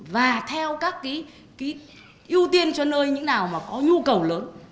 và theo các cái ưu tiên cho nơi những nào mà có nhu cầu lớn